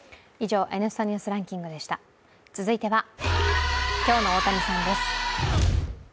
続いては今日の大谷さんです。